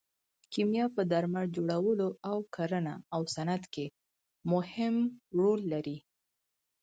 کیمیا په درمل جوړولو او کرنه او صنعت کې مهم رول لري.